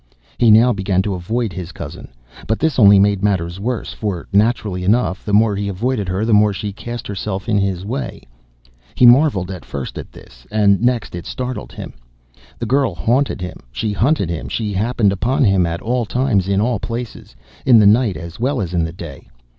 He now began to avoid, his cousin. But this only made matters worse, for, naturally enough, the more he avoided her, the more she cast herself in his way. He marveled at this at first; and next it startled him. The girl haunted him; she hunted him; she happened upon him at all times and in all places, in the night as well as in the day.